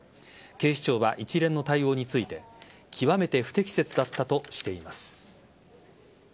警視庁は一連の対応について極めて不適切だったとしています。